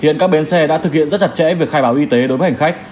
hiện các bến xe đã thực hiện rất chặt chẽ việc khai báo y tế đối với hành khách